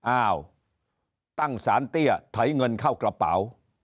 อ้าวตั้งสารเตี้ยไถเงินเข้ากระเป๋า